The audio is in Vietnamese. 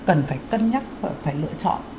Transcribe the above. thì chị em cần phải cân nhắc và phải lựa chọn